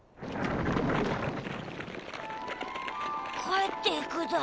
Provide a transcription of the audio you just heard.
帰っていくだ。